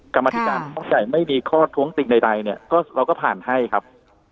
กรรมธิการชุดใหญ่ไม่มีข้อท้องติงใดเราก็ผ่านให้ครับ